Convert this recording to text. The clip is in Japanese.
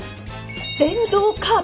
「電動カート」？